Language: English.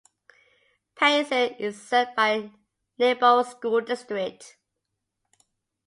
Payson is served by Nebo School District.